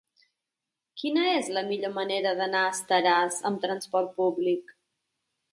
Quina és la millor manera d'anar a Estaràs amb trasport públic?